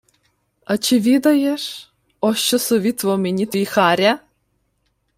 — А чи відаєш, о що совітував мені твій Харя?!